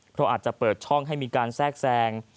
เพราะอาจจะเปิดช่องให้มีการแทรกแทรง